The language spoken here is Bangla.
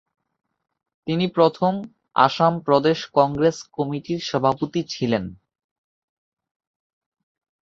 তিনি প্রথম আসাম প্রদেশ কংগ্রেস কমিটির সভাপতি ছিলেন।